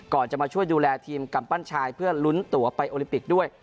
จะมาช่วยดูแลทีมกำปั้นชายเพื่อลุ้นตัวไปโอลิปิกด้วย